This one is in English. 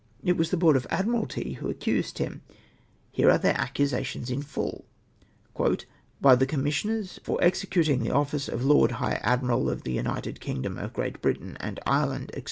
It was the Board of Admiralty wdio accused him. Here are their accusations in full :— '^Bjj the Commissioners for execntlnri the office of Lord High Admired of the United Kingdom of Great Britain and Ireland, d'c.